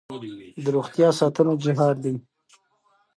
د روغتیا ساتنه جهاد دی.